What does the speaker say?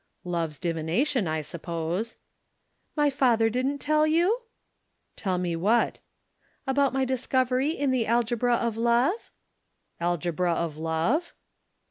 "Love's divination, I suppose." "My father didn't tell you?" "Tell me what?" "About my discovery in the algebra of love?" "Algebra of love?"